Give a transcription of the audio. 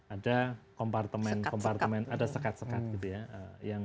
ada kompartemen kompartemen ada sekat sekat gitu ya